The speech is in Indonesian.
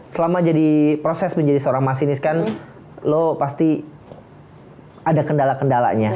selama jadi proses menjadi seorang masinis kan lo pasti ada kendala kendalanya